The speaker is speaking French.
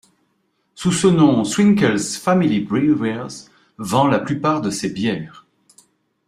Sous ce nom Swinkels Family Brewers vend la plupart de ses bières.